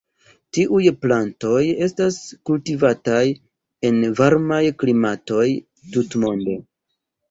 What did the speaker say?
Tiuj plantoj estas kultivataj en varmaj klimatoj tutmonde.